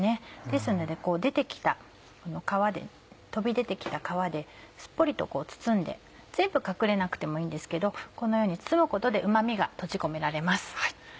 ですので出て来た皮で飛び出て来た皮ですっぽりとこう包んで全部隠れなくてもいいんですけどこのように包むことでうま味が閉じ込められます。